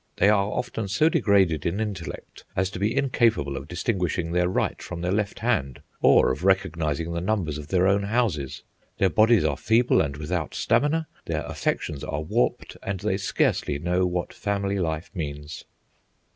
. They are often so degraded in intellect as to be incapable of distinguishing their right from their left hand, or of recognising the numbers of their own houses; their bodies are feeble and without stamina, their affections are warped, and they scarcely know what family life means."